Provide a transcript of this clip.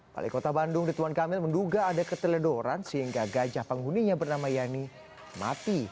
wali kota bandung ridwan kamil menduga ada keteledoran sehingga gajah penghuninya bernama yani mati